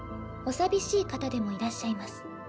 寂しい方でもいらっしゃいます。